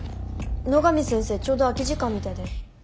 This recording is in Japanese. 野上先生ちょうど空き時間みたいだよ。